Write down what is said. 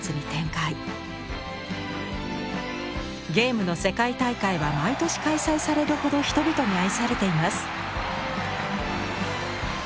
ゲームの世界大会は毎年開催されるほど人々に愛されています。